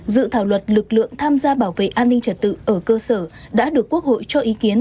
dự thảo luật lực lượng tham gia bảo vệ an ninh trật tự ở cơ sở đã được quốc hội cho ý kiến